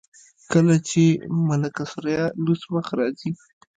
کله چې ملکه ثریا لوڅ مخ راځي.